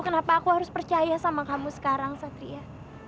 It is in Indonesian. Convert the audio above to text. kenapa aku harus percaya sama kamu sekarang satria